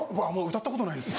歌ったことないです。